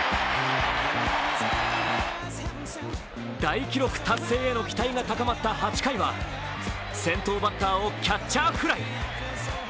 大記録達成への期待が高まった８回は先頭バッターをキャッチャーフライ。